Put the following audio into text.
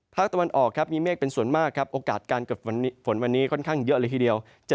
ตะวันออกครับมีเมฆเป็นส่วนมากครับโอกาสการเกิดฝนวันนี้ค่อนข้างเยอะเลยทีเดียว